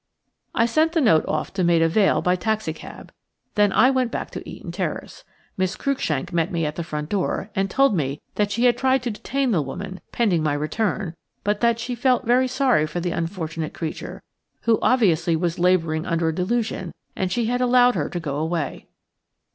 I sent the note off to Maida Vale by taxicab; then I went back to Eaton Terrace. Miss Cruikshank met me at the front door, and told me that she had tried to detain the woman, pending my return; but that she felt very sorry for the unfortunate creature, who obviously was labouring under a delusion, and she had allowed her to go away.